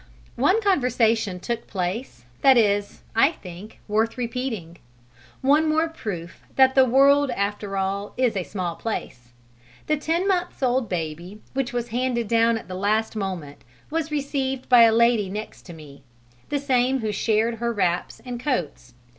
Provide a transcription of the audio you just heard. One conversation took place that is, I think, worth repeating: one more proof that the world after all is a small place. The ten months' old baby which was handed down at the last moment was received by a lady next to me the same who shared her wraps and coats.